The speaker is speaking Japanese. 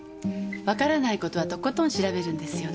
わからない事はとことん調べるんですよね。